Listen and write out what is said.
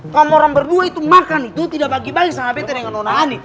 kalau orang berdua itu makan itu tidak bagi bagi sama betul dengan nona ani